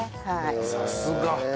さすが。